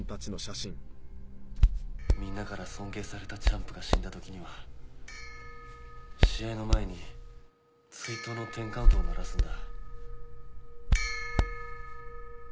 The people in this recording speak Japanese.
みんなから尊敬されたチャンプが死んだ時には試合の前に追悼のテンカウントを鳴らすんだ。